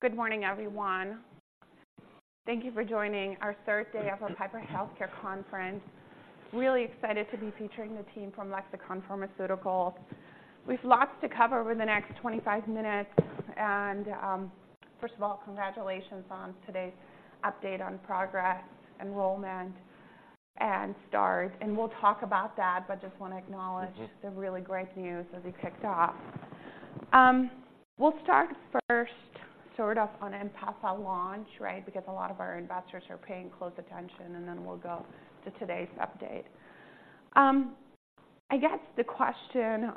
Good morning, everyone. Thank you for joining our third day of our Piper Healthcare conference. Really excited to be featuring the team from Lexicon Pharmaceuticals. We've lots to cover over the next 25 minutes. And, first of all, congratulations on today's update on progress, enrollment, and start, and we'll talk about that, but just wanna acknowledge. Mm-hmm. The really great news as we kicked off. We'll start first sort of on INPEFA launch, right? Because a lot of our investors are paying close attention, and then we'll go to today's update. I guess the question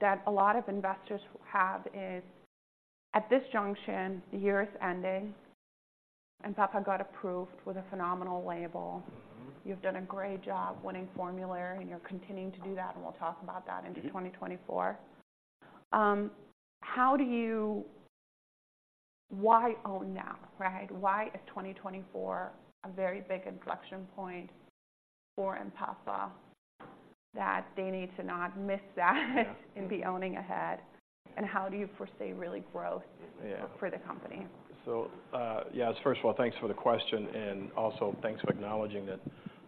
that a lot of investors have is, at this junction, the year is ending, INPEFA got approved with a phenomenal label. Mm-hmm. You've done a great job winning formulary, and you're continuing to do that, and we'll talk about that- Mm-hmm... into 2024. How do you— why own now, right? Why is 2024 a very big inflection point for INPEFA that they need to not miss that - Yeah and being ahead, and how do you foresee real growth? Yeah - for the company? So, yes, first of all, thanks for the question, and also thanks for acknowledging that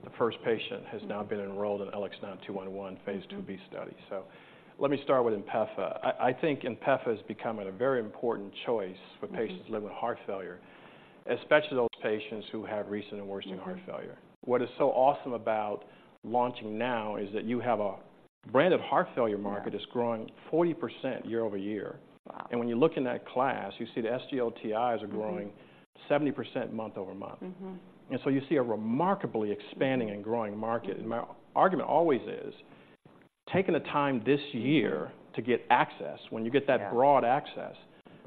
the first patient has now been enrolled in LX9211 phase II-B study. So let me start with INPEFA. I think INPEFA is becoming a very important choice- Mm-hmm for patients living with heart failure, especially those patients who have recent and worsening heart failure. Mm-hmm. What is so awesome about launching now is that you have a brand of heart failure market. Yeah -that's growing 40% year-over-year. Wow! When you look in that class, you see the SGLTIs are growing- Mm-hmm -70% month-over-month. Mm-hmm. And so you see a remarkably expanding- Mm-hmm and growing market. And my argument always is, taking the time this year to get access, when you get that. Yeah broad access,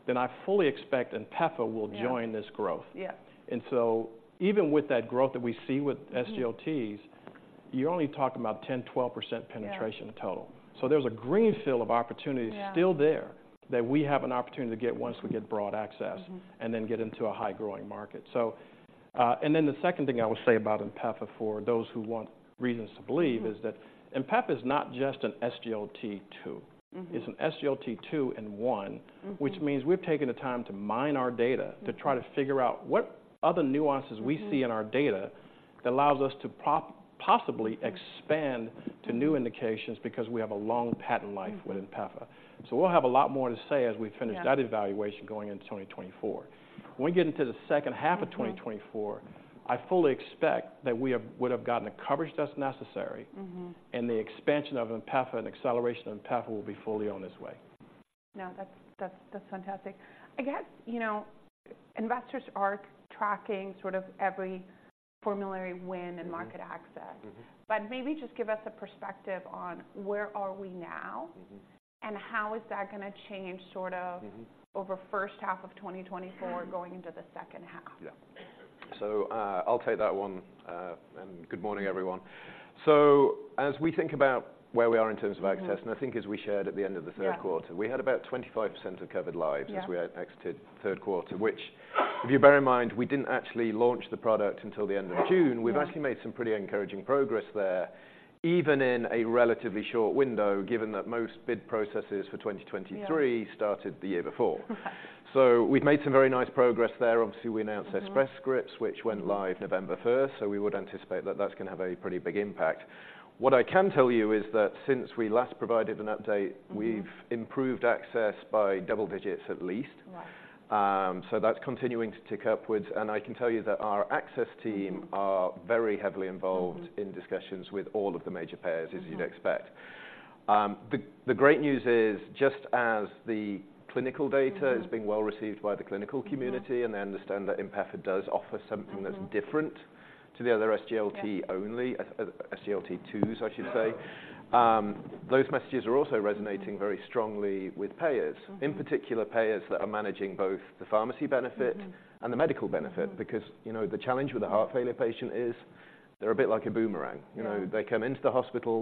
then I fully expect INPEFA will join. Yeah -this growth. Yeah. And so even with that growth that we see with SGLTs- Mm-hmm You're only talking about 10, 12% penetration total. Yeah. There's a green field of opportunities- Yeah still there, that we have an opportunity to get once we get broad access. Mm-hmm. And then get into a high-growing market. So, and then the second thing I will say about INPEFA, for those who want reasons to believe- Mm-hmm -is that INPEFA is not just an SGLT2. Mm-hmm. It's an SGLT2 in one. Mm-hmm. Which means we've taken the time to mine our data- Mm-hmm to try to figure out what other nuances we see Mm-hmm in our data that allows us to possibly expand to new indications, because we have a long patent life. Mm-hmm with INPEFA. So we'll have a lot more to say as we finish- Yeah -that evaluation going into 2024. When we get into the second half of 2024- Mm-hmm I fully expect that we would have gotten the coverage that's necessary. Mm-hmm. The expansion of INPEFA and acceleration of INPEFA will be fully on its way. No, that's fantastic. I guess, you know, investors are tracking sort of every formulary win- Mm-hmm and market access. Mm-hmm. Maybe just give us a perspective on where are we now? Mm-hmm. How is that gonna change, sort of- Mm-hmm -over first half of 2024 going into the second half? Yeah. So, I'll take that one. Good morning, everyone. As we think about where we are in terms of access- Mm-hmm and I think as we shared at the end of the third quarter. Yeah... we had about 25% of covered lives- Yeah as we exited the third quarter, which, if you bear in mind, we didn't actually launch the product until the end of June. Yeah. We've actually made some pretty encouraging progress there, even in a relatively short window, given that most bid processes for 2023- Yeah started the year before. So we've made some very nice progress there. Obviously, we announced- Mm-hmm -Express Scripts, which went live November first. So we would anticipate that that's gonna have a pretty big impact. What I can tell you is that since we last provided an update- Mm-hmm We've improved access by double digits at least. Right. So that's continuing to tick upwards. And I can tell you that our access team- Mm-hmm are very heavily involved Mm-hmm In discussions with all of the major payers, as you'd expect. Mm-hmm. The great news is, just as the clinical data- Mm-hmm is being well received by the clinical community. Mm-hmm They understand that INPEFA does offer something. Mm-hmm -that's different to the other SGLT- Yeah -only, SGLT2s, I should say. Those messages are also resonating- Mm-hmm very strongly with payers. Mm-hmm. In particular, payers that are managing both the pharmacy benefit- Mm-hmm and the medical benefit. Mm-hmm. Because, you know, the challenge with a heart failure patient is, they're a bit like a boomerang. Yeah. You know, they come into the hospital,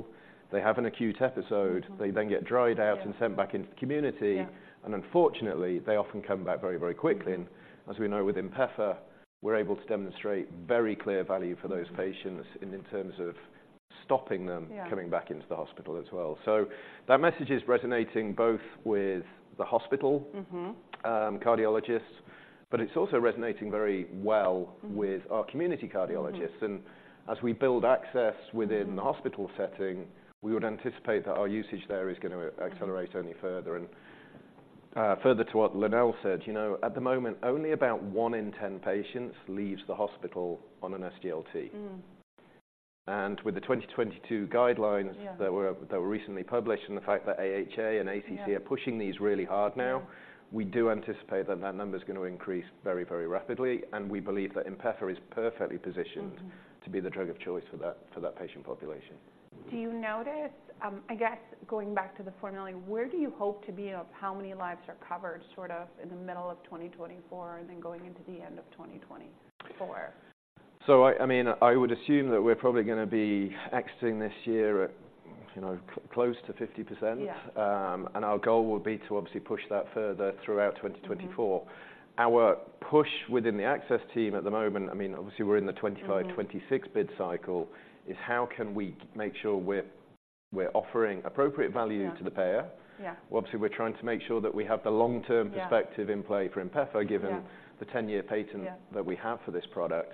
they have an acute episode- Mm-hmm... they then get dried out- Yeah Sent back into the community. Yeah. Unfortunately, they often come back very, very quickly. Mm-hmm. As we know with INPEFA, we're able to demonstrate very clear value for those patients, and in terms of stopping them- Yeah coming back into the hospital as well. So that message is resonating both with the hospital- Mm-hmm... cardiologists, but it's also resonating very well- Mm-hmm With our community cardiologists. Mm-hmm. As we build access within the hospital setting, we would anticipate that our usage there is gonna accelerate only further. Further to what Lonnel said, you know, at the moment, only about one in ten patients leaves the hospital on an SGLT. Mm-hmm. With the 2022 guidelines- Yeah that were recently published, and the fact that AHA and ACC Yeah are pushing these really hard now Mm We do anticipate that that number is gonna increase very, very rapidly, and we believe that INPEFA is perfectly positioned- Mm-hmm to be the drug of choice for that, for that patient population. Do you notice... I guess going back to the formulary, where do you hope to be, of how many lives are covered, sort of in the middle of 2024, and then going into the end of 2024? So I mean, I would assume that we're probably gonna be exiting this year at, you know, close to 50%. Yeah. Our goal will be to obviously push that further throughout 2024. Mm-hmm. Our push within the access team at the moment, I mean, obviously, we're in the 25, 26 bid cycle- Mm-hmm We're offering appropriate value to the payer. Yeah. Obviously, we're trying to make sure that we have the long-term- Yeah - perspective in play for INPEFA, given- Yeah - the 10-year patent- Yeah that we have for this product,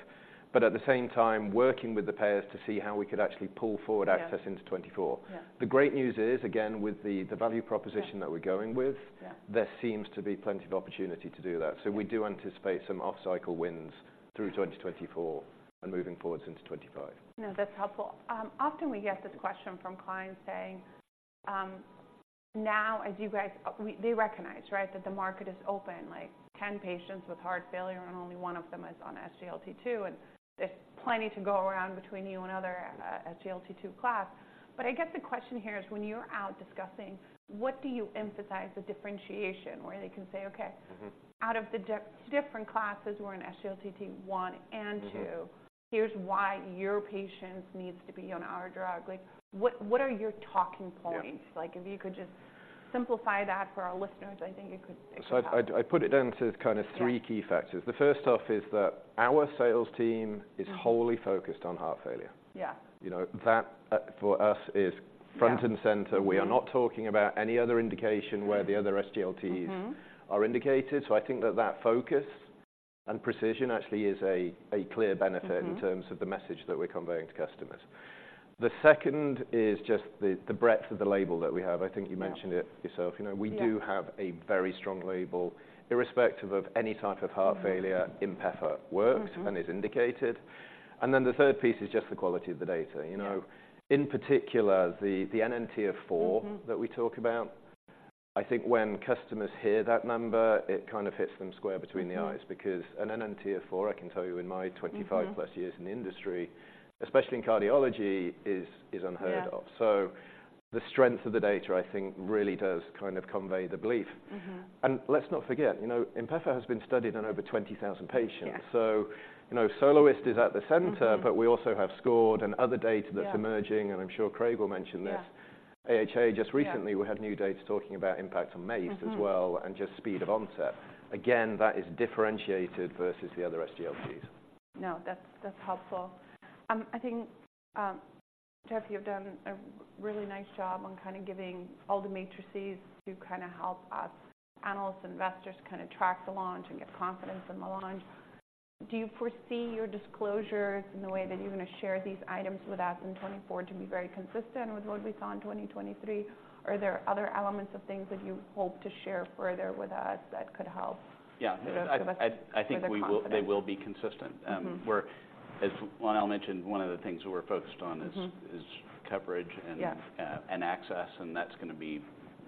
but at the same time, working with the payers to see how we could actually pull forward access- Yeah - into 2024. Yeah. The great news is, again, with the value proposition- Yeah that we're going with Yeah There seems to be plenty of opportunity to do that. So we do anticipate some off-cycle wins through 2024 and moving forward into 2025. No, that's helpful. Often we get this question from clients saying, now, as they recognize, right, that the market is open, like 10 patients with heart failure, and only one of them is on SGLT2, and there's plenty to go around between you and other SGLT2 class. But I guess the question here is, when you're out discussing, what do you emphasize the differentiation, where they can say, "Okay- Mm-hmm out of the different classes, we're in SGLT1 and SGLT2. Mm-hmm - "Here's why your patient needs to be on our drug." Like, what, what are your talking points? Yeah. Like, if you could just simplify that for our listeners, I think it could- So I put it down to kind of three key factors. Yeah. First off, our sales team is wholly focused on heart failure. Yeah. You know, that, for us, is- Yeah - front and center. Mm-hmm. We are not talking about any other indication where the other SGLTs- Mm-hmm are indicated. So I think that that focus and precision actually is a clear benefit- Mm-hmm In terms of the message that we're conveying to customers. The second is just the breadth of the label that we have. Yeah. I think you mentioned it yourself. You know- Yeah We do have a very strong label. Irrespective of any type of heart failure- Mm-hmm - INPEFA works- Mm-hmm and is indicated. And then the third piece is just the quality of the data, you know? Yeah. In particular, the NNT of four- Mm-hmm that we talk about. I think when customers hear that number, it kind of hits them square between the eyes. Mm-hmm. Because an NNT of four, I can tell you in my twenty- Mm-hmm 5+ years in the industry, especially in cardiology, is unheard of. Yeah. The strength of the data, I think, really does kind of convey the belief. Mm-hmm. Let's not forget, you know, INPEFA has been studied on over 20,000 patients. Yeah. So, you know, SOLOIST is at the center. Mm-hmm. But we also have SCORED and other data- Yeah That's emerging, and I'm sure Craig will mention this. Yeah. AHA, just recently- Yeah We had new data talking about impact on MACE. Mm-hmm as well, and just speed of onset. Again, that is differentiated versus the other SGLTs. No, that's, that's helpful. I think, Jeff, you've done a really nice job on kind of giving all the metrics to kind of help us analysts, investors, kind of track the launch and get confidence in the launch. Do you foresee your disclosures and the way that you're going to share these items with us in 2024 to be very consistent with what we saw in 2023? Or are there other elements of things that you hope to share further with us that could help? Yeah, For the confidence. they will be consistent. Mm-hmm. As Lonnel mentioned, one of the things we're focused on is- Mm-hmm is coverage and Yeah - and access, and that's going to be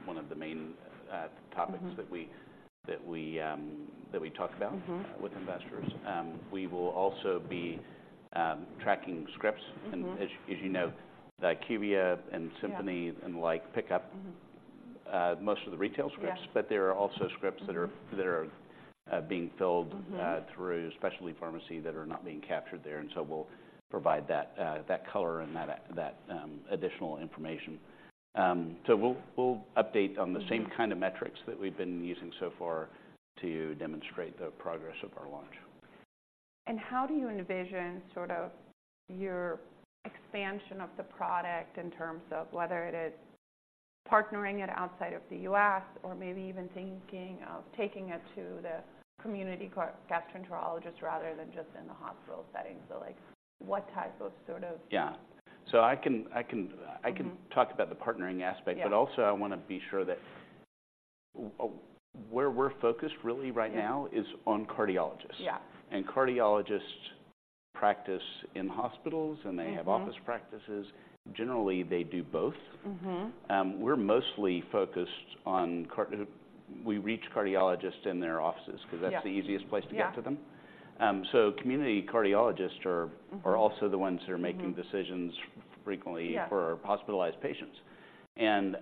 one of the main topics- Mm-hmm that we talk about- Mm-hmm - with investors. We will also be tracking scripts. Mm-hmm. As you know, the IQVIA and Symphony- Yeah and like, pick up Mm-hmm - most of the retail scripts. Yeah. But there are also scripts that are- Mm-hmm... that are being filled- Mm-hmm Through specialty pharmacy that are not being captured there, and so we'll provide that color and that additional information. So we'll update on the- Mm-hmm same kind of metrics that we've been using so far to demonstrate the progress of our launch. How do you envision, sort of your expansion of the product in terms of whether it is partnering it outside of the U.S. or maybe even thinking of taking it to the community gastroenterologist, rather than just in the hospital setting? So, like, what type of sort of- Yeah. So I can- Mm-hmm - talk about the partnering aspect. Yeah. But also, I want to be sure that where we're focused really right now- Yeah - is on cardiologists. Yeah. Cardiologists practice in hospitals- Mm-hmm and they have office practices. Generally, they do both. Mm-hmm. We're mostly focused on card... We reach cardiologists in their offices- Yeah Because that's the easiest place to get to them. Yeah. So, community cardiologists are- Mm-hmm are also the ones who are making- Mm-hmm decisions frequently- Yeah - for hospitalized patients. And,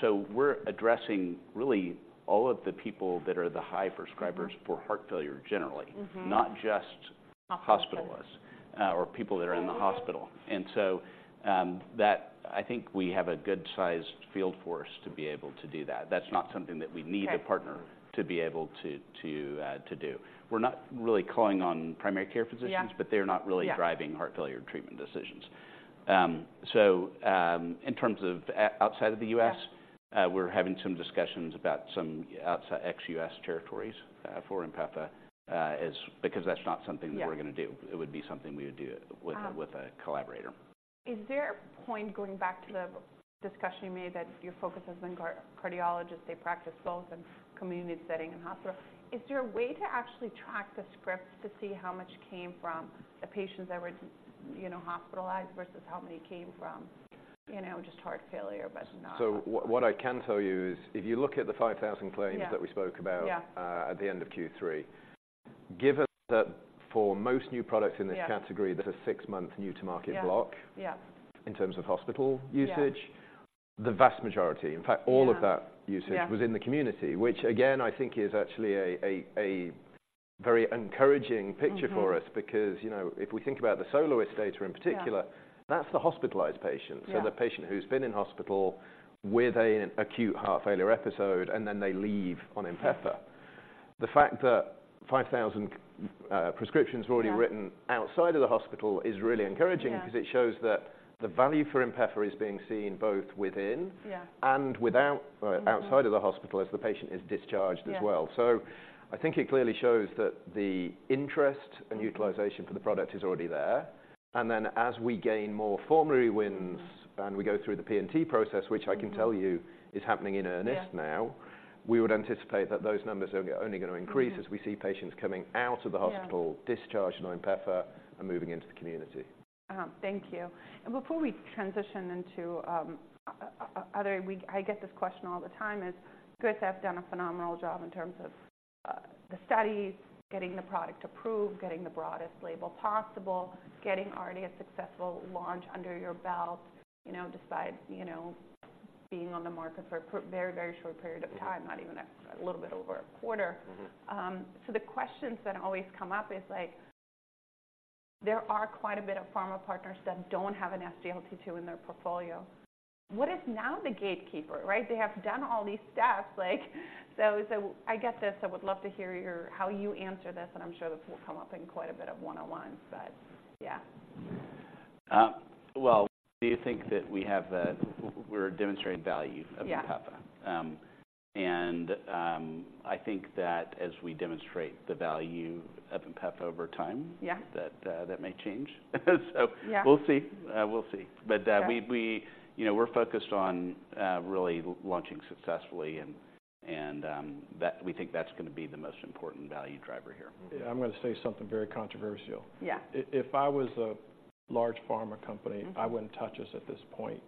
so we're addressing really all of the people that are the high prescribers- Mm-hmm for heart failure generally. Mm-hmm not just hospitalists Hospital or people that are in the hospital. And so, I think we have a good sized field force to be able to do that. That's not something that we need- Right to partner to be able to, to do. We're not really calling on primary care physicians- Yeah but they're not really- Yeah - driving heart failure treatment decisions. In terms of outside of the U.S.- Yeah We're having some discussions about some outside ex-US territories for INPEFA, as... Because that's not something- Yeah that we're going to do. It would be something we would do with a- Uh - with a collaborator. Is there a point, going back to the discussion you made, that your focus is on cardiologists? They practice both in community setting and hospital. Is there a way to actually track the scripts to see how much came from the patients that were, you know, hospitalized versus how many came from, you know, just heart failure, but not- So what I can tell you is, if you look at the 5,000 claims- Yeah that we spoke about Yeah At the end of Q3, given that for most new products in this category- Yeah there's a six-month new-to-market block- Yeah, yeah - in terms of hospital usage- Yeah the vast majority, in fact, all of that Yeah - usage- Yeah - was in the community, which again, I think is actually a very encouraging picture for us. Mm-hmm. Because, you know, if we think about the SOLOIST data in particular- Yeah - that's the hospitalized patient. Yeah. The patient who's been in the hospital with an acute heart failure episode, and then they leave on Empa. Mm-hmm.... The fact that 5,000 prescriptions were already written- Yeah -outside of the hospital is really encouraging. Yeah. Because it shows that the value for INPEFA is being seen both within- Yeah and without, or outside of the hospital, as the patient is discharged as well. Yeah. So I think it clearly shows that the interest and utilization for the product is already there. And then, as we gain more formulary wins- Mm-hmm We go through the P&T process, which I can tell you- Mm-hmm -is happening in earnest now, we would anticipate that those numbers are only going to increase- Mm-hmm as we see patients coming out of the hospital Yeah discharged on INPEFA and moving into the community. Uh-huh. Thank you. And before we transition into other... I get this question all the time, is you guys have done a phenomenal job in terms of the studies, getting the product approved, getting the broadest label possible, getting already a successful launch under your belt, you know, besides, you know, being on the market for a pretty very, very short period of time, not even a little bit over a quarter. Mm-hmm. So, the questions that always come up is, like, there are quite a bit of pharma partners that don't have an SGLT2 in their portfolio. What is now the gatekeeper, right? They have done all these steps, like, so, so I get this. I would love to hear your - how you answer this, and I'm sure this will come up in quite a bit of one-on-ones. But yeah. Well, we think that we have, we're demonstrating value of INPEFA. Yeah. I think that as we demonstrate the value of INPEFA over time- Yeah that may change. So- Yeah... we'll see. We'll see. Yeah. But, you know, we're focused on really launching successfully, and that we think that's going to be the most important value driver here. Mm-hmm. Yeah, I'm going to say something very controversial. Yeah. If I was a large pharma company- Mm-hmm... I wouldn't touch this at this point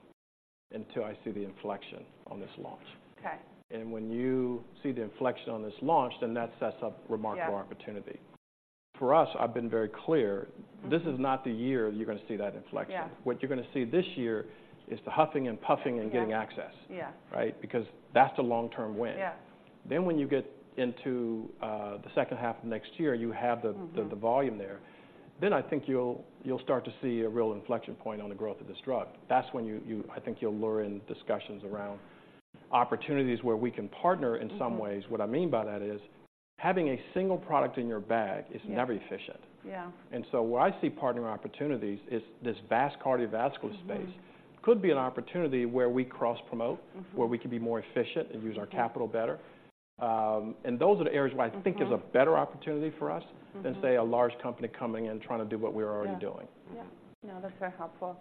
until I see the inflection on this launch. Okay. When you see the inflection on this launch, then that sets up remarkable opportunity. Yeah. For us, I've been very clear- Mm-hmm... this is not the year you're going to see that inflection. Yeah. What you're going to see this year is the huffing and puffing and getting access. Yeah. Right? Because that's the long-term win. Yeah. Then, when you get into the second half of next year, you have the- Mm-hmm... the volume there. Then I think you'll start to see a real inflection point on the growth of this drug. That's when you - I think you'll lure in discussions around opportunities where we can partner in some ways. Mm-hmm. What I mean by that is, having a single product in your bag- Yeah is never efficient. Yeah. And so where I see partnering opportunities is this vast cardiovascular space. Mm-hmm. Could be an opportunity where we cross-promote- Mm-hmm... where we can be more efficient- Mm-hmm -and use our capital better. And those are the areas where- Mm-hmm... I think there's a better opportunity for us- Mm-hmm... than, say, a large company coming in, trying to do what we're already doing. Yeah. Mm-hmm. Yeah. No, that's very helpful.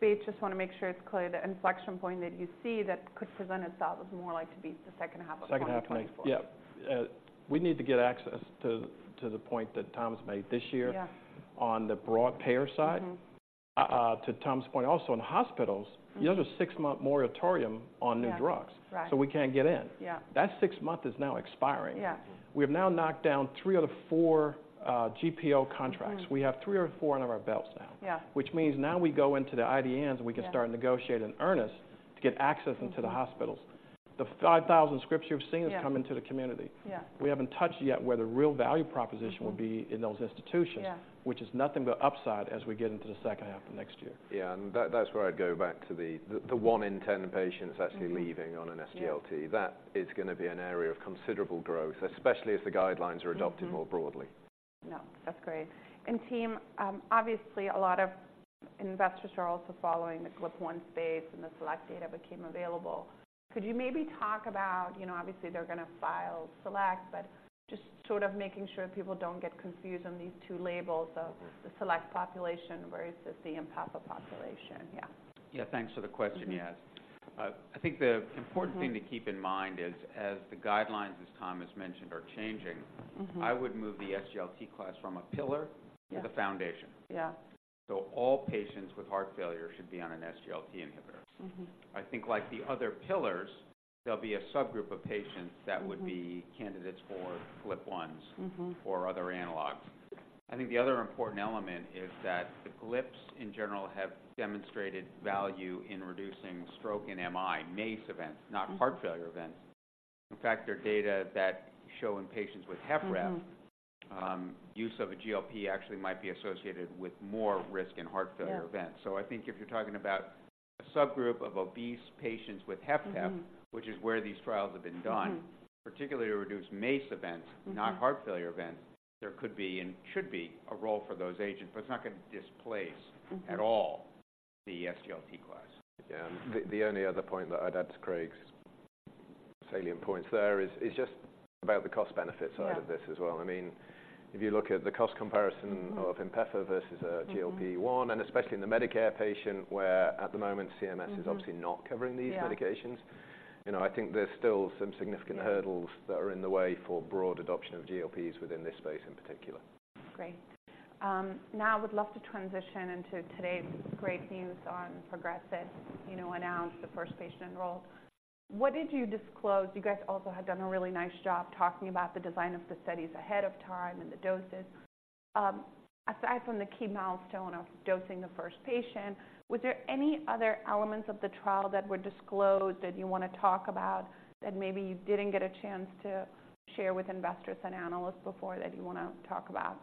Bates, just want to make sure it's clear, the inflection point that you see that could present itself is more likely to be the second half of 2024. Second half, yeah. We need to get access to the point that Tom's made this year- Yeah... on the broad payer side. Mm-hmm. To Tom's point, also in hospitals- Mm-hmm... you have a six-month moratorium on new drugs. Yeah. Right. We can't get in. Yeah. That six months is now expiring. Yeah. We have now knocked down three of the four GPO contracts. Mm-hmm. We have three of the four under our belts now. Yeah. Which means now we go into the IDNs- Yeah... and we can start negotiating in earnest to get access into- Mm-hmm... the hospitals. The 5,000 scripts you've seen- Yeah... has come into the community. Yeah. We haven't touched yet where the real value proposition will be- Mm-hmm... in those institutions. Yeah. Which is nothing but upside as we get into the second half of next year. Yeah, and that, that's where I'd go back to the one in ten patients- Mm-hmm... actually leaving on an SGLT. Yeah. That is going to be an area of considerable growth, especially as the guidelines are adopted. Mm-hmm... more broadly. No, that's great. And team, obviously, a lot of investors are also following the GLP-1 space, and the SELECT data became available. Could you maybe talk about... You know, obviously, they're going to file SELECT, but just sort of making sure people don't get confused on these two labels of- Mm-hmm... the SELECT population versus the Empa population? Yeah. Yeah. Thanks for the question, Yas. Mm-hmm. I think the important thing- Mm-hmm ...to keep in mind is, as the guidelines, as Tom has mentioned, are changing- Mm-hmm... I would move the SGLT class from a pillar- Yeah to the foundation. Yeah. All patients with heart failure should be on an SGLT inhibitor. Mm-hmm. I think, like the other pillars, there'll be a subgroup of patients- Mm-hmm... that would be candidates for GLP-1s- Mm-hmm... or other analogs. I think the other important element is that the GLPs, in general, have demonstrated value in reducing stroke and MI, MACE events. Mm-hmm... not heart failure events. In fact, there are data that show in patients with HFrEF- Mm-hmm... use of a GLP actually might be associated with more risk in heart failure events. Yeah. So I think if you're talking about a subgroup of obese patients with HFpEF- Mm-hmm... which is where these trials have been done. Mm-hmm... particularly to reduce MACE events- Mm-hmm ...not heart failure events. There could be and should be a role for those agents, but it's not going to displace- Mm-hmm... at all the SGLT class. Yeah. The only other point that I'd add to Craig's salient points there is just about the cost benefit side- Yeah... of this as well. I mean, if you look at the cost comparison- Mm-hmm... of Empa versus a GLP-1- Mm-hmm... and especially in the Medicare patient, where at the moment, CMS- Mm-hmm... is obviously not covering these medications- Yeah ... you know, I think there's still some significant hurdles- Yeah... that are in the way for broad adoption of GLPs within this space in particular. Great. Now I would love to transition into today's great news on PROGRESS. You know, announced the first patient enrolled. What did you disclose? You guys also had done a really nice job talking about the design of the studies ahead of time and the doses. Aside from the key milestone of dosing the first patient, was there any other elements of the trial that were disclosed that you want to talk about, that maybe you didn't get a chance to share with investors and analysts before, that you want to talk about?...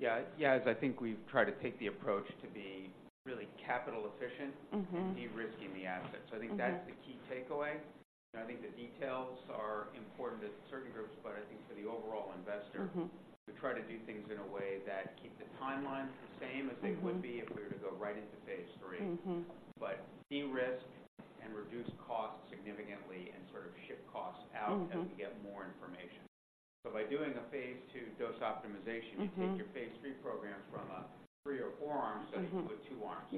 Yeah, yeah, as I think we've tried to take the approach to be really capital efficient- Mm-hmm. and de-risking the asset. Mm-hmm. I think that's the key takeaway, and I think the details are important to certain groups. I think for the overall investor- Mm-hmm ... We try to do things in a way that keep the timeline the same as they- Mm-hmm would be if we were to go right into phase III. Mm-hmm. But de-risk and reduce costs significantly and sort of shift costs out- Mm-hmm - as we get more information. So by doing a phase two dose optimization- Mm-hmm you take your phase III programs from a three- or four-arm study- Mm-hmm - with two arms.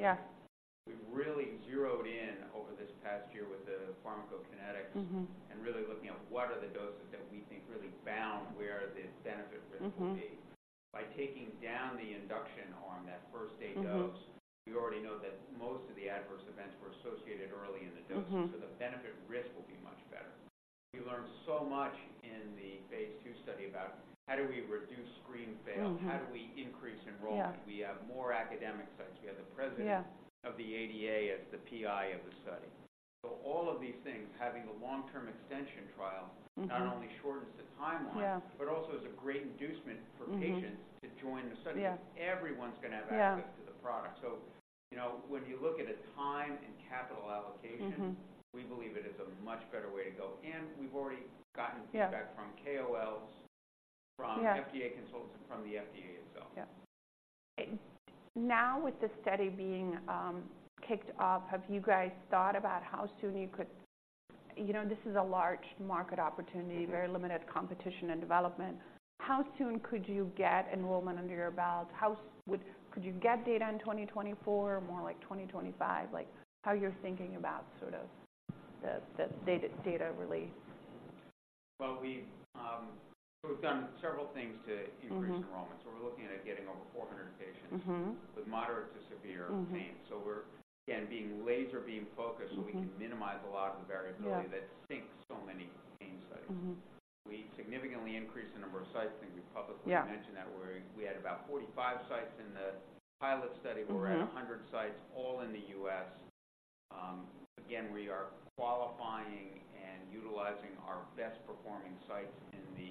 Yeah. We've really zeroed in over this past year with the pharmacokinetics- Mm-hmm and really looking at what are the doses that we think really bound, where the benefit risk will be. Mm-hmm. By taking down the induction arm, that first day dose- Mm-hmm We already know that most of the adverse events were associated early in the dosing. Mm-hmm. So the benefit risk will be much better. We learned so much in the phase II study about how do we reduce screen fail? Mm-hmm. How do we increase enrollment? Yeah. We have more academic sites. Yeah. We have the president of the ADA as the PI of the study. So all of these things, having a long-term extension trial- Mm-hmm not only shortens the timeline Yeah but also is a great inducement for patients. Mm-hmm - to join the study. Yeah. Everyone's gonna have access- Yeah to the product. So, you know, when you look at a time and capital allocation- Mm-hmm We believe it is a much better way to go. We've already gotten feedback. Yeah - from KOLs, from- Yeah - FDA consultants, and from the FDA itself. Yeah. Now, with the study being kicked off, have you guys thought about how soon you could... You know, this is a large market opportunity- Mm-hmm Very limited competition and development. How soon could you get enrollment under your belt? How could you get data in 2024 or more like 2025? Like, how you're thinking about sort of the, the data, data release? Well, we've done several things to increase- Mm-hmm - enrollment, so we're looking at getting over 400 patients- Mm-hmm - with moderate to severe pain. Mm-hmm. We're again being laser beam focused- Mm-hmm so we can minimize a lot of the variability- Yeah - that sinks so many pain studies. Mm-hmm. We significantly increased the number of sites, and we publicly- Yeah mentioned that, where we had about 45 sites in the pilot study. Mm-hmm. We're at 100 sites, all in the U.S. Again, we are qualifying and utilizing our best-performing sites in the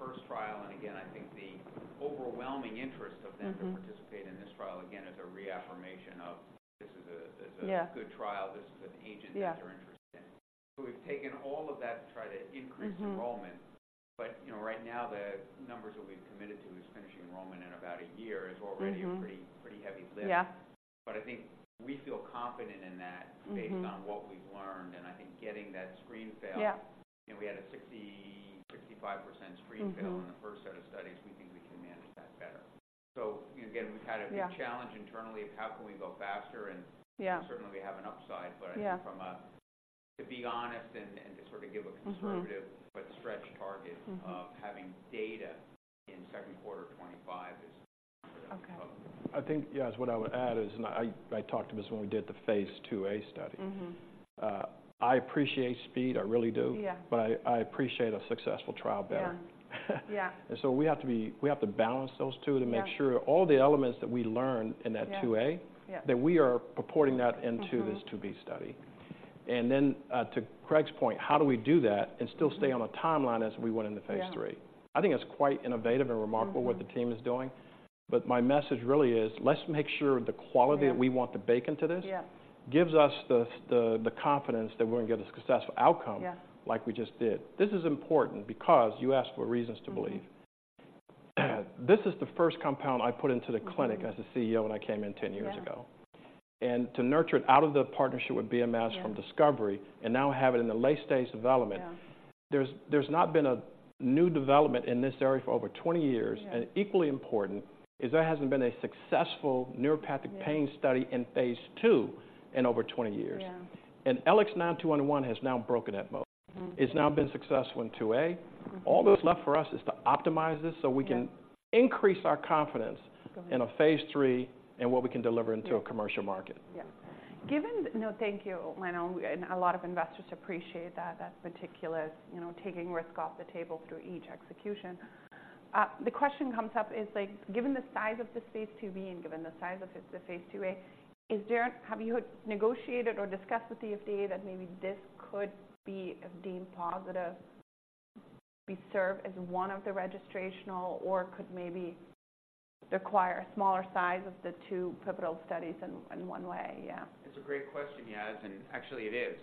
first trial. And again, I think the overwhelming interest of them- Mm-hmm to participate in this trial, again, is a reaffirmation of this is a- Yeah Good trial. This is an agent that- Yeah They're interested in. So we've taken all of that to try to increase enrollment. Mm-hmm. But, you know, right now, the numbers that we've committed to is finishing enrollment in about a year- Mm-hmm is already a pretty, pretty heavy lift. Yeah. But I think we feel confident in that. Mm-hmm Based on what we've learned, and I think getting that screen fail. Yeah. You know, we had a 60%-65% screen fail- Mm-hmm - in the first set of studies. We think we can manage that better. So again, we've had a- Yeah challenge internally of how can we go faster and- Yeah Certainly we have an upside. Yeah. To be honest and to sort of give a conservative- Mm-hmm but stretched target Mm-hmm of having data in second quarter of 2025 is Okay. I think, yeah, what I would add is, and I, I talked to this when we did the Phase II-A study. Mm-hmm. I appreciate speed. I really do. Yeah. But I appreciate a successful trial better. Yeah, yeah. And so we have to balance those two- Yeah to make sure all the elements that we learn in that II-A- Yeah, yeah that we are purporting that into Mm-hmm this II-B study. And then, to Craig's point, how do we do that and still stay on a timeline as we would in the phase III? Yeah. I think it's quite innovative and remarkable- Mm-hmm What the team is doing, but my message really is, let's make sure the quality- Yeah that we want to bake into this- Yeah - gives us the confidence that we're gonna get a successful outcome- Yeah Like we just did. This is important because you asked for reasons to believe. Mm-hmm. This is the first compound I put into the clinic- Mm-hmm - as a CEO when I came in 10 years ago. Yeah. To nurture it out of the partnership with BMS- Yeah From discovery, and now have it in the late stage development. Yeah. There's not been a new development in this area for over 20 years. Yeah. Equally important is, there hasn't been a successful neuropathic pain... Yeah - study in Phase II in over 20 years. Yeah. LX9211 has now broken that mold. Mm-hmm. It's now been successful in II-A Mm-hmm. All that's left for us is to optimize this so we can- Yeah increase our confidence Got it - in a Phase III and what we can deliver into- Yeah a commercial market. Yeah. Given... No, thank you, Lonnel, and a lot of investors appreciate that, that meticulous, you know, taking risk off the table through each execution. The question comes up is, like, given the size of this phase II-B, and given the size of it's the phase II-A, is there-- have you negotiated or discussed with the FDA that maybe this could be deemed positive, be served as one of the registrational, or could maybe require a smaller size of the two pivotal studies in, in one way? Yeah. It's a great question, Yas, and actually it is.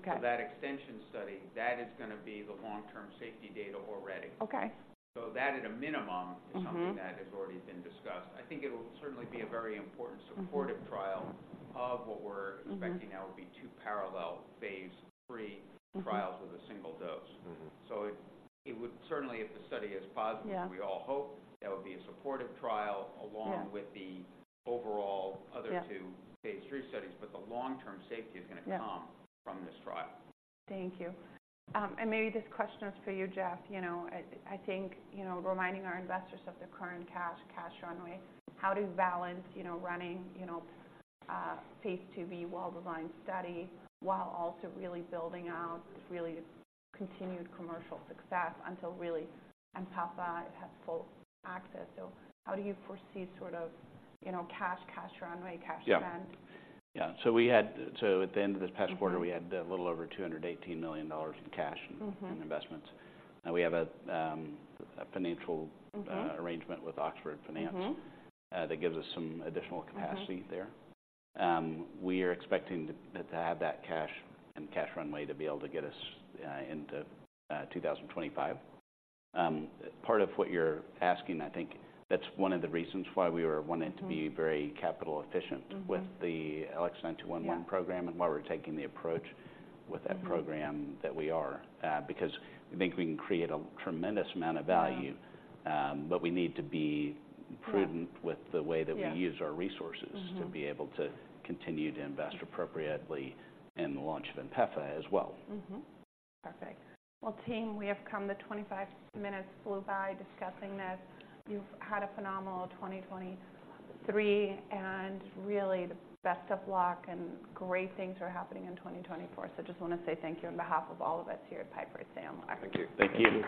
Okay. That extension study, that is gonna be the long-term safety data already. Okay. So that, at a minimum- Mm-hmm - is something that has already been discussed. I think it'll certainly be a very important- Mm-hmm supportive trial of what we're- Mm-hmm - expecting now would be II parallel phase III- Mm-hmm - trials with a single dose. Mm-hmm. So it would certainly, if the study is positive- Yeah we all hope, that would be a supportive trial along- Yeah with the overall other two Yeah phase three studies. But the long-term safety is gonna come- Yeah - from this trial. Thank you. And maybe this question is for you, Jeff. You know, I think, you know, reminding our investors of the current cash, cash runway, how to balance, you know, running, you know, phase IIF well-designed study, while also really building out really continued commercial success until really INPEFA has full access. So how do you foresee sort of, you know, cash, cash runway, cash events? Yeah. Yeah. So at the end of this past quarter- Mm-hmm we had a little over $218 million in cash and- Mm-hmm in investments. We have a financial- Mm-hmm - arrangement with Oxford Finance- Mm-hmm - That gives us some additional capacity there. Mm-hmm. We are expecting to have that cash and cash runway to be able to get us into 2025. Part of what you're asking, I think that's one of the reasons why we were wanting- Mm-hmm to be very capital efficient- Mm-hmm with the LX9211 Yeah program and why we're taking the approach with that program Mm-hmm - that we are. Because I think we can create a tremendous amount of value- Yeah but we need to be prudent- Yeah with the way that we use our resources Mm-hmm - to be able to continue to invest appropriately in the launch of INPEFA as well. Mm-hmm. Perfect. Well, team, we have come to 25 minutes, flew by discussing this. You've had a phenomenal 2023, and really the best of luck and great things are happening in 2024. So just want to say thank you on behalf of all of us here at Piper Sandler. Thank you. Thank you.